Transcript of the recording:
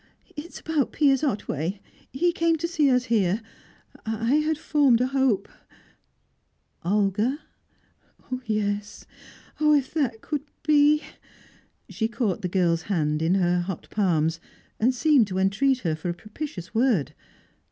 "It's about Piers Otway. He came to see us here. I had formed a hope " "Olga?" "Yes. Oh, if that could be!" She caught the girl's hand in her hot palms, and seemed to entreat her for a propitious word.